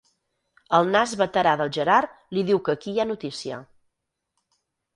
El nas veterà del Gerard li diu que aquí hi ha notícia.